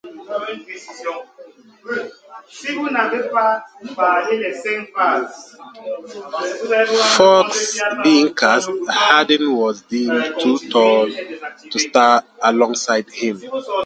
Fox being cast, Hardin was deemed too tall to star alongside him.